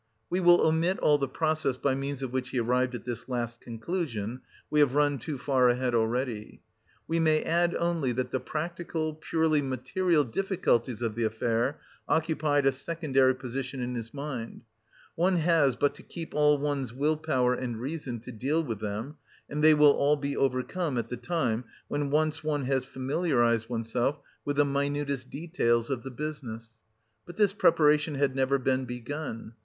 We will omit all the process by means of which he arrived at this last conclusion; we have run too far ahead already.... We may add only that the practical, purely material difficulties of the affair occupied a secondary position in his mind. "One has but to keep all one's will power and reason to deal with them, and they will all be overcome at the time when once one has familiarised oneself with the minutest details of the business...." But this preparation had never been begun.